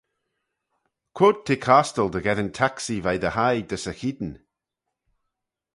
Quoid t'eh costal dy gheddyn taksee veih dty hie dys y cheayn?